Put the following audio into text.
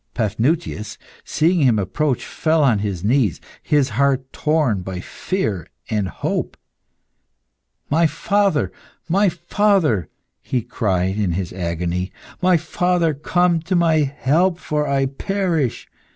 Paphnutius, seeing him approach, fell on his knees, his heart torn by fear and hope. "My father! my father!" he cried in his agony. "My father! come to my help, for I perish.